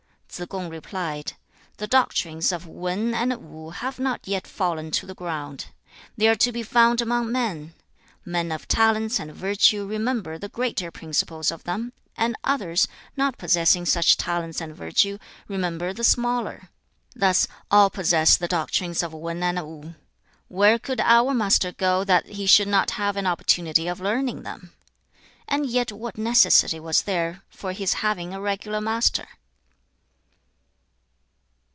2. Tsze kung replied, 'The doctrines of Wan and Wu have not yet fallen to the ground. They are to be found among men. Men of talents and virtue remember the greater principles of them, and others, not possessing such talents and virtue, remember the smaller. Thus, all possess the doctrines of Wan and Wu. Where could our Master go that he should not have an opportunity of learning them? And yet what necessity was there for his having a regular master?'